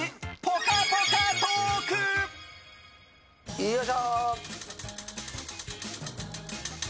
よいしょ。